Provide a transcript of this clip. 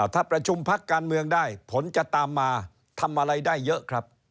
ถ้าประชุมพักการเมืองได้ผลจะตามมาทำอะไรได้เยอะครับ